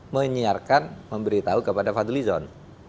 menyiarkan memberitahu kepada fadli zon